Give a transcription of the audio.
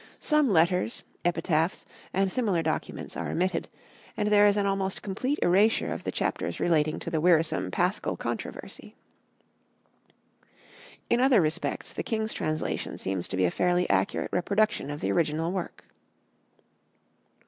Some letters, epitaphs, and similar documents are omitted, and there is an almost complete erasure of the chapters relating to the wearisome Paschal controversy. In other respects the king's translation seems to be a fairly accurate reproduction of the original work."